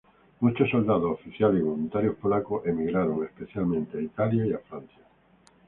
Muchos soldados, oficiales y voluntarios polacos emigraron, especialmente a Italia y a Francia.